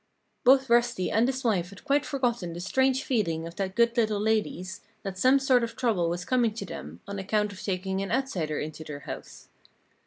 Both Rusty and his wife had quite forgotten the strange feeling of that good little lady's that some sort of trouble was coming to them on account of taking an outsider into their house.